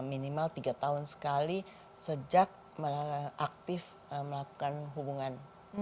minimal tiga tahun sekali sejak aktif melakukan hubungan